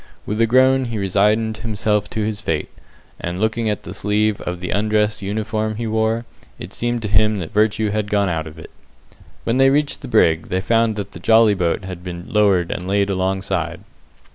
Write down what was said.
With a groan he resigned himself to his fate, and looking at the sleeve of the undress uniform he wore, it seemed to him that virtue had gone out of it. When they reached the brig, they found that the jolly boat had been lowered and laid alongside.